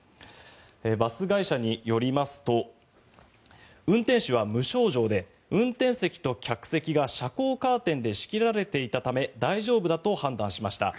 バス会社によりますと運転手は無症状で運転席と客席が遮光カーテンで仕切られていたため大丈夫だと判断しました。